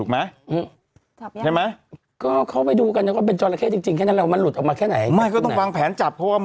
มันเขียนว่าเป็นจอละแค่จริงแล้วเธอจะตอบว่าอย่างไร